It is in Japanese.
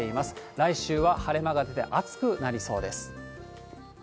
来週は晴れ間が出て、暑くなりそうです。